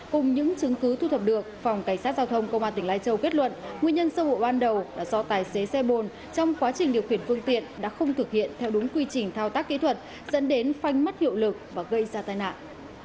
cùng những chứng cứ thu thập được phòng cảnh sát giao thông công an tỉnh lai châu kết luận nguyên nhân sơ bộ ban đầu là do tài xế xe bồn trong quá trình điều khiển phương tiện đã không thực hiện theo đúng quy trình thao tác kỹ thuật dẫn đến phanh mất hiệu lực và gây ra tai nạn